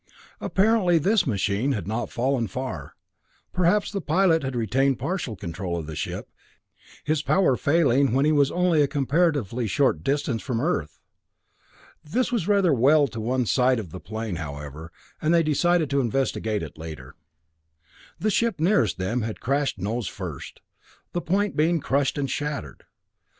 Apparently this machine had not fallen far; perhaps the pilot had retained partial control of the ship, his power failing when he was only a comparatively short distance from Earth. This was rather well to one side of the plain, however, and they decided to investigate it later. The ship nearest them had crashed nose first, the point being crushed and shattered.